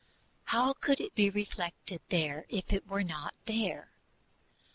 How could it be reflected from there if it were not there?